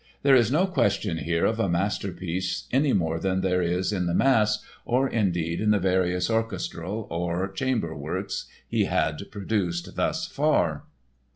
There is no question here of a masterpiece any more than there is in the mass, or indeed, in the various orchestral or chamber works, he had produced thus far.